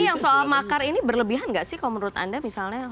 tapi yang soal makar ini berlebihan nggak sih kalau menurut anda misalnya